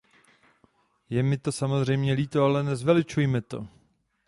Je mi to samozřejmě líto, ale nezveličujme to.